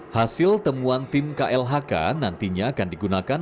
hasil temuan tim klhk nantinya akan digunakan